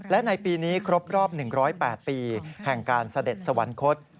และในปีนี้ครบรอบ๑๐๘ปีแห่งการเสด็จสวรรคต